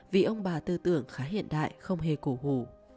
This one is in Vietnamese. vì ông bà tư tưởng khá hiện đại không hề cổ